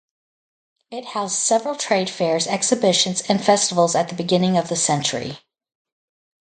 It housed several trade fairs, exhibitions and festivals at the beginning of the century.